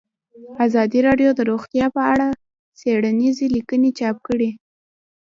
ازادي راډیو د روغتیا په اړه څېړنیزې لیکنې چاپ کړي.